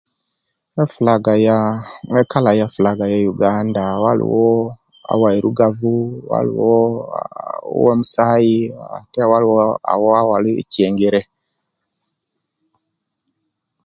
Efulaga yaa ekala eye fulaga eye Uganda bwaliwo abawairugavu, bwaliwo awomusayi, ate waliwo awo awaliwo echengere